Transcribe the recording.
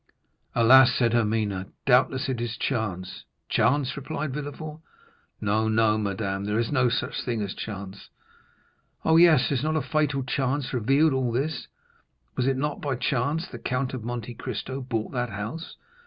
"Alas," said Hermine, "doubtless it is chance." "Chance?" replied Villefort; "No, no, madame, there is no such thing as chance." "Oh, yes; has not a fatal chance revealed all this? Was it not by chance the Count of Monte Cristo bought that house?